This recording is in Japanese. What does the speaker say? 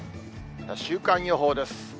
週間予報です。